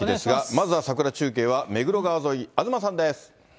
まずは桜中継は、目黒川沿い、東さんです。